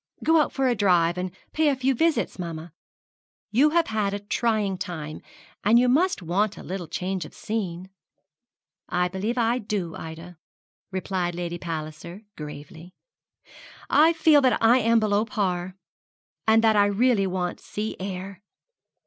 Go out for a drive, and pay a few visits, mamma. You have had a trying time, and you must want a little change of scene.' 'I believe I do, Ida,' replied Lady Palliser, gravely. 'I feel that I am below par, and that I really want sea air.